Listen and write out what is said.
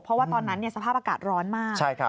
เพราะว่าตอนนั้นสภาพอากาศร้อนมาก